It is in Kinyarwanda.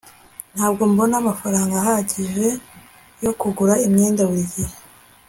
ntabwo mbona amafaranga ahagije yo kugura imyenda buri gihe